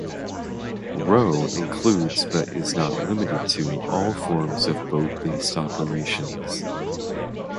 "Row" includes, but is not limited to, all forms of boat-based operations.